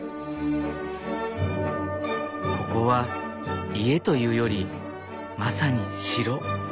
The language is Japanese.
ここは家というよりまさに城。